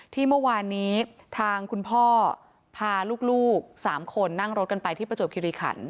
ที่เมื่อวานนี้ทางคุณพ่อพาลูก๓คนนั่งรถกันไปที่ประจวบคิริขัน